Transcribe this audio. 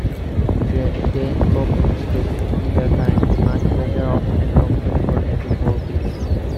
Dane Poppin stated, We are currently much better off and comfortable as a four-piece.